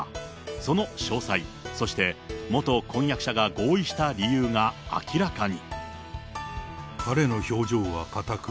その詳細、そして、元婚約者が合意した理由が明らかに。